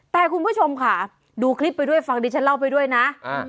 แต่คุณผู้ชมค่ะดูคลิปไปด้วยฟังดิฉันเล่าไปด้วยนะ